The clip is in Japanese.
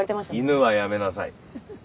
「犬」はやめなさい。